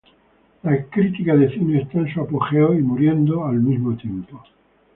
La crítica de cine está en su apogeo y muriendo al mismo tiempo".